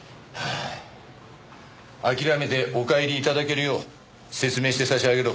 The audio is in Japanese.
諦めてお帰り頂けるよう説明して差し上げろ。